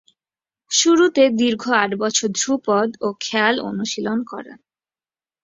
শুরুতে দীর্ঘ আট বছর ধ্রুপদ ও খেয়াল অনুশীলন করেন।